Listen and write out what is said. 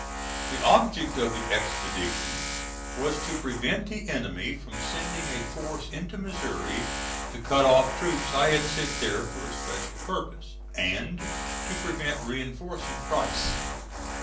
The object of the expedition was to prevent the enemy from sending a force into Missouri to cut off troops I had sent there for a special purpose, and to prevent reinforcing Price.